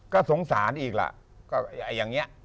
ก็สงสารอีกล่ะก็อย่างนี้